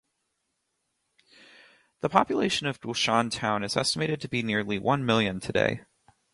The population of Gulshan Town is estimated to be nearly one million today.